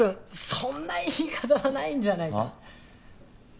そんな言い方はないんじゃない。